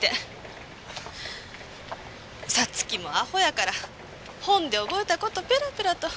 五月もアホやから本で覚えた事ペラペラと。